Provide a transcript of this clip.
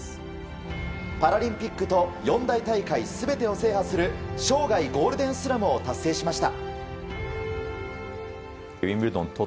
パラリンピックと四大大会全てを制覇する生涯ゴールデンスラムを達成しました。